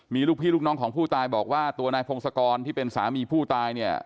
มีลูกพี่ลูกน้องของผู้ตายบอกว่าตัวนายพงศกรที่เป็นสามีผู้ตายเนี่ย